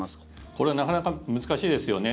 これはなかなか難しいですよね。